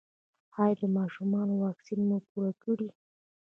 ایا د ماشومانو واکسین مو پوره کړی؟